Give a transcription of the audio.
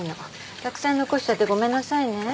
たくさん残しちゃってごめんなさいね。